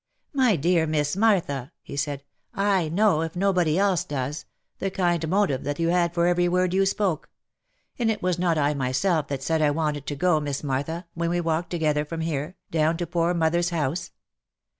" My dear Miss Martha," he said, "/ know, if nobody else does, the kind motive that you had for every word you spoke — and was it not I myself that said I wanted to go, Miss Martha, when we walked together from here, down to poor mother's house?